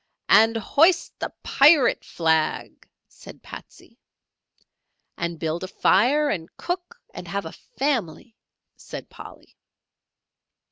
"And hoist the Pirate flag," said Patsey. "And build a fire, and cook, and have a family," said Polly.